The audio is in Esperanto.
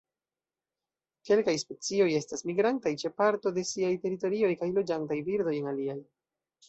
Kelkaj specioj estas migrantaj ĉe parto de siaj teritorioj kaj loĝantaj birdoj en aliaj.